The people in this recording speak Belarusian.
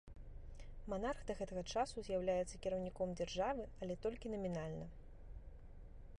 Манарх да гэтага часу з'яўляецца кіраўніком дзяржавы, але толькі намінальна.